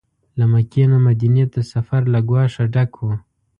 له مکې نه مدینې ته سفر له ګواښه ډک و.